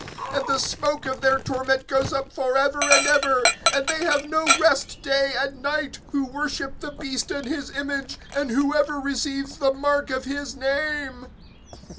(11)And the smoke of their torment goes up forever and ever; and they have no rest day and night, who worship the beast and his image, and whoever receives the mark of his name.